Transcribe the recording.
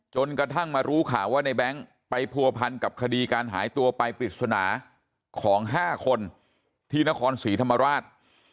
จนกระทั่งมารู้ข่าวว่าในแบงค์ไปผัวพันกับคดีการหายตัวไปปริศนาของ๕คนที่นครศรีธรรมราช